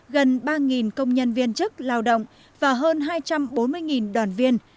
gần ba công nhân viên chức lao động và hơn hai trăm bốn mươi đoàn viên